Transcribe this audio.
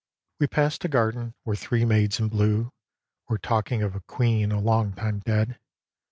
A DREAM OF ARTEMIS 145 We passed a garden where three maids in blue Were talking of a queen a long time dead.